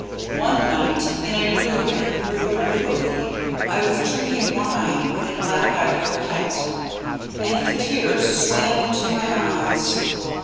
One night, in a room in the Rue de Rivoli, I was drinking wine with a black eyed cocotte, And the tears swam into my eyes.